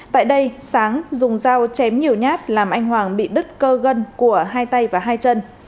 tại đây sáng dùng dao chém nhiều nhát làm anh hoàng bị đứt cơ gân của hai tay và hai chân